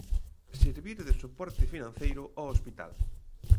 Servir de soporte financeiro o hospital.